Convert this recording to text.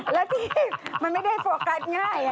แล้วที่มันไม่ได้โฟกัสง่าย